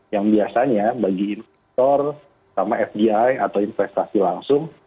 yang biasanya bagi investor sama fdi atau investasi langsung